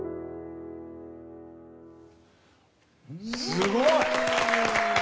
すごい！